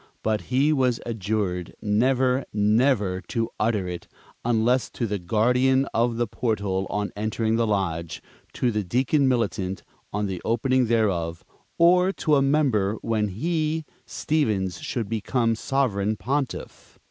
But he was adjured never, never to utter it, unless to the Guardian of the Portal on entering the lodge, to the Deacon Militant on the opening thereof, or to a member, when he, Stevens, should become Sovereign Pontiff.